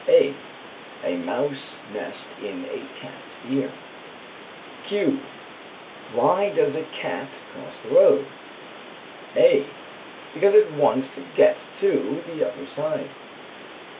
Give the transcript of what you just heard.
"A. A mouse nest in a cat's ear. "Q. Why does a cat cross the road? "A. Because it wants to get to the other side."